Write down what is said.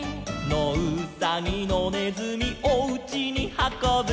「のうさぎのねずみおうちにはこぶ」